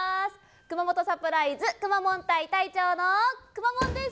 熊本サプライズくまモン隊隊長のくまモンです！